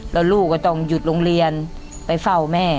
แล้วลูกก็ต้องหยุดโรงเรียนไปเฝ้าแม่